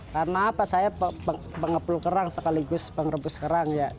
karena apa saya pengepul kerang sekaligus pengrebus kerang ya